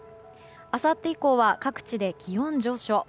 あさって以降は各地で気温上昇。